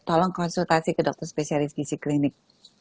tolong konsultasi ke dokter spesialis gizi klinik